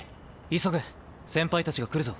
急げ先輩たちが来るぞ。